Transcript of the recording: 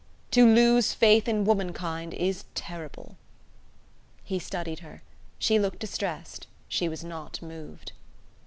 To lose faith in womankind is terrible." He studied her. She looked distressed: she was not moved.